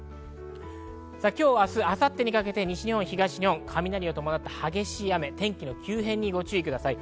今日、明日、明後日にかけて西日本、東日本、雷を伴って激しい雨、天気の急変にご注意ください。